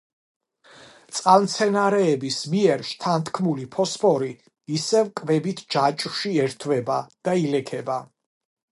წყალმცენარეების მიერ შთანთქმული ფოსფორი ისევ კვებით ჯაჭვში ერთვება და ილექება.